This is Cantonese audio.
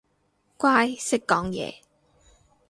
乖，識講嘢